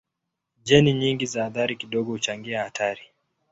Jeni nyingi za athari kidogo huchangia hatari.